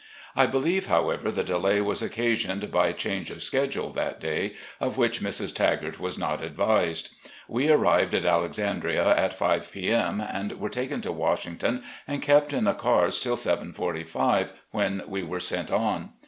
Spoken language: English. I believe, however, the delay was occasioned by change of schedule that day, of which Mrs. Tagart was not advised. We arrived at Alexandria at 5 :oo p. m., and were taken to Washington and kept in the cars till 7 45, when we were sent on.